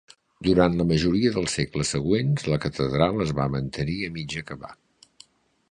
Durant la majoria dels segles següents, la catedral es va mantenir a mig acabar.